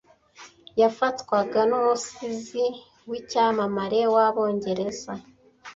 yafatwaga n’umusizi w’icyamamare w’Abongereza